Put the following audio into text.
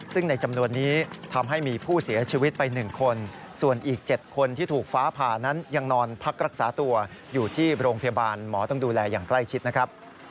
ซึ่งในจำนวนนี้ทำให้มีผู้เสียชีวิตไป๑คนส่วนอีก๗คนที่ถูกฟ้าผ่านั้นยังนอนพักรักษาตัวอยู่ที่โรงพยาบาลหมอต้องดูแลอย่างใกล้ชิดนะครับ